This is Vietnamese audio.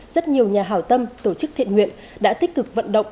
rất nhiều nhà hào tâm tổ chức thiện nguyện đã tích cực vận động